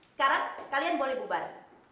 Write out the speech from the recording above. sekarang kalian boleh bubar